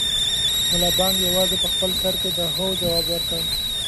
ملا بانګ یوازې په خپل سر کې د هو ځواب ورکړ.